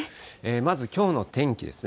まず、きょうの天気ですね。